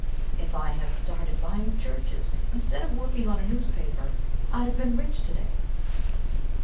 If I had started buying churches instead of working on a newspaper, I'd have been rich to day.